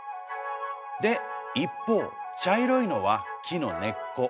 で一方茶色いのは木の根っこ。